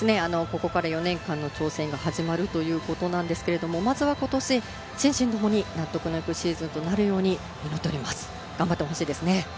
ここから４年間の挑戦が始まるということなんですけれどもまずは今年心身共に納得のいくシーズンとなるように祈っております頑張ってほしいですね